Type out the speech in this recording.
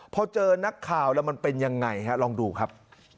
เพราะเจอนักข่าวแล้วมันเป็นอย่างไรลองดูครับ